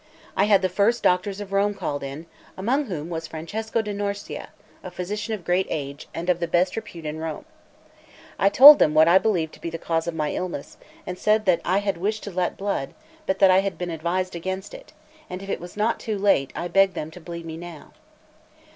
I had the first doctors of Rome called in, among whom was Francesco da Norcia, a physician of great age, and of the best repute in Rome. I told them what I believed to be the cause of my illness, and said that I had wished to let blood, but that I had been advised against it; and if it was not too late, I begged them to bleed me now.